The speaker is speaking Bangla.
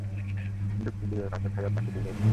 যুক্তি দিয়ে রাধে ভাইয়া তাকে বুঝাই তেছে।